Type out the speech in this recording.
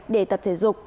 để tập thể dục